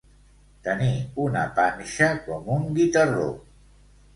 Tenir una panxa com un guitarró.